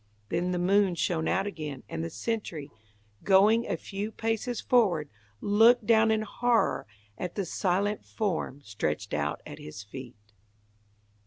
Then the moon shone out again, and the sentry, going a few paces forward, looked down in horror at the silent form stretched out at his feet.